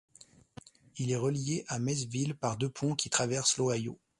Il est relié à Maysville par deux ponts qui traversent l'Ohio.